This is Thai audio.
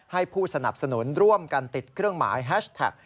ผู้สนับสนุนร่วมกันติดเครื่องหมายแฮชแท็ก